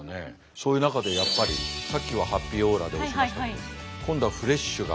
そういう中でやっぱりさっきはハッピーオーラで押しましたけど今度はフレッシュが。